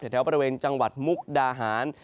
แถวบริเวณจังหวัดมุกดาหาร